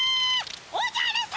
おじゃる様！